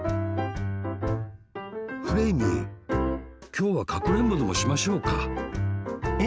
きょうはかくれんぼでもしましょうかえ？